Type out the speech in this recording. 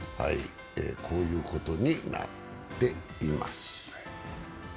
こういうことになっています。